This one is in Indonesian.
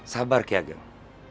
sabar ki ageng